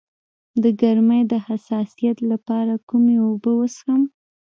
د ګرمۍ د حساسیت لپاره کومې اوبه وڅښم؟